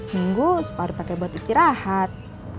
minggu suka dipake buat istirahat